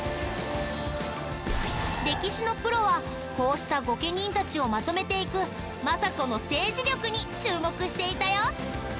歴史のプロはこうした御家人たちをまとめていく政子の政治力に注目していたよ。